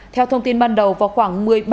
theo thông tin ban đầu vào khoảng một mươi h